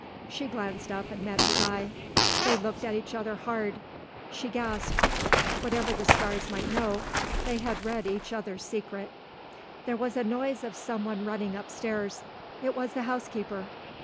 She glanced up and met his eye. They looked at each other hard. She gasped; whatever the stars might know, they had read each other's secret. There was a noise of someone running up stairs. It was the housekeeper.